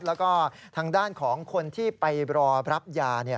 แล้วก็ทางด้านของคนที่ไปรอรับยา